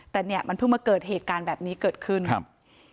แต่เนี่ยมันเพิ่งมาเกิดเหตุการณ์แบบนี้เกิดขึ้นครับ